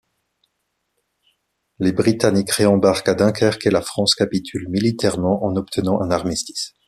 Les Britanniques réembarquent à Dunkerque et la France capitule militairement en obtenant un armistice.